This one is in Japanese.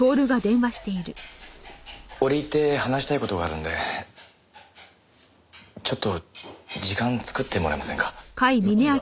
折り入って話したい事があるんでちょっと時間作ってもらえませんか？